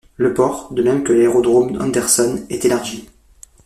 Le port de même que l’aérodrome Andersen est élargi.